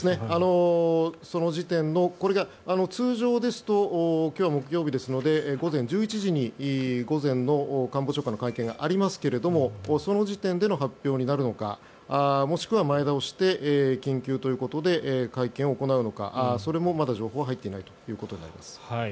その時点のこれが通常ですと今日は木曜日ですので午前１１時に午前の官房長官の会見がありますがその時点での発表になるのかもしくは前倒して緊急ということで会見を行うのかそれもまだ情報は入っていないということになります。